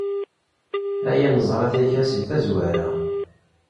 Aya neẓra-t yakan seg tazwara.